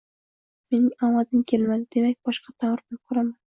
Mening omadim kelmadimi, demak boshqatdan urinib ko’raman!